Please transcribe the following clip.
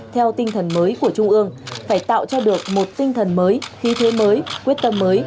theo tinh thần mới của trung ương phải tạo cho được một tinh thần mới khí thế mới quyết tâm mới